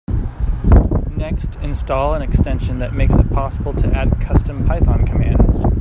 Next, install an extension that makes it possible to add custom Python commands.